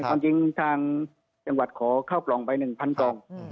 ความจริงทางจังหวัดขอเข้ากล่องไป๑๐๐กล่อง